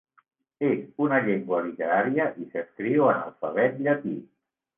És una llengua literària i s'escriu en alfabet llatí.